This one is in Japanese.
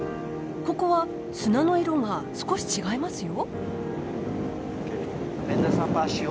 ここは砂の色が少し違いますよ。